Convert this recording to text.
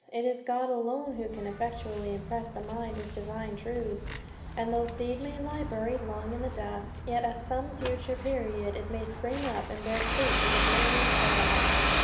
It is God alone who can effectually impress the mind with divine truths; and though seed may lie buried long in the dust, yet at some future period it may spring up and bear fruit to the glory of God."